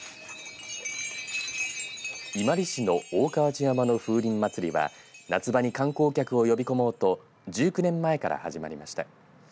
伊万里市の大川内山の風鈴まつりは夏場に観光客を呼び込もうと１９年前から始まりました。